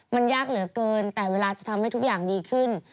มันยากเหลือเกินแต่เวลาจะทำให้ทุกอย่างดีขึ้น